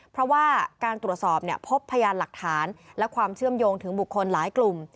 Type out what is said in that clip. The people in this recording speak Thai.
เพราะว่าการตรวจสอบพบพยานหลักฐานและความเชื่อมโยงถึงบุคคลหลายกลุ่ม